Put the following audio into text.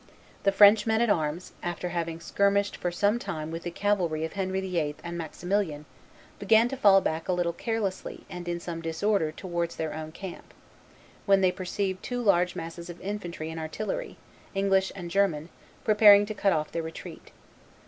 The French men at arms, after having skirmished for some time with the cavalry of Henry VIII. and Maximilian, began to fall back a little carelessly and in some disorder towards their own camp, when they perceived two large masses of infantry and artillery, English and German, preparing to cut off their retreat.